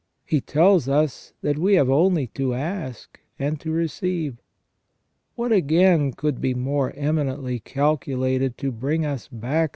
He tells us, that we have only to ask and to receive. What, again, could be more eminently calculated to bring us back to the * S.